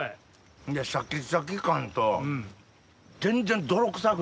シャキシャキ感と全然泥臭くない。